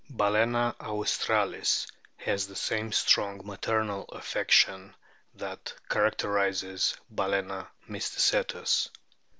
Balcena australis has the same strong maternal o affection that characterises Balcena mysticetus.